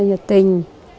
rất là nhiệt tình